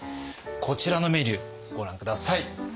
こちらのメニューご覧下さい。